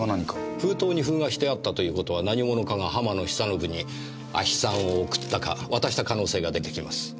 封筒に封がしてあったという事は何者かが浜野久信に亜ヒ酸を送ったか渡した可能性が出てきます。